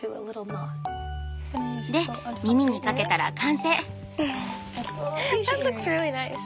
で耳にかけたら完成。